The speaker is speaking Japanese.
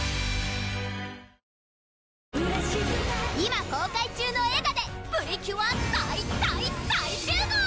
今公開中の映画でプリキュア大大大集合！